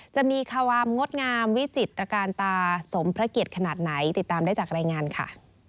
มีความงดงามวิจิตรการตาสมพระเกียรติขนาดไหนติดตามได้จากรายงานค่ะ